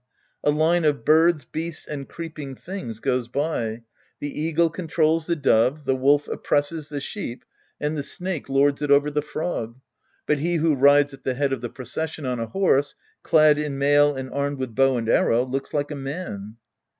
A line of birds, beasts and creeping things goes by. The eagle controls the dove, the wolf oppresses the sheep, and the snake lords' it over the frog.'' But he who rides at the head of the procession on a horse, clad in mail and armed with bow and arrow, looks like a man.